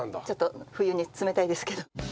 ちょっと冬に冷たいですけど。